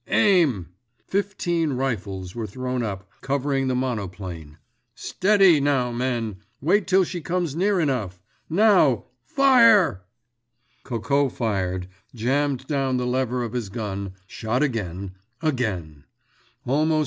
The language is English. "Aim!" Fifteen rifles were thrown up, covering the monoplane. "Steady, now, men—wait till she comes near enough—now, Fire!" Coco fired, jammed down the lever of his gun, shot again, again.